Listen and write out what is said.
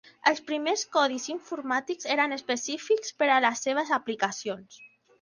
Els primers codis informàtics eren específics per a les seves aplicacions.